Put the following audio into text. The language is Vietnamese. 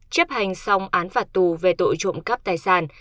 chấp hành xong án phạt tù về tội trộm cắp tài sản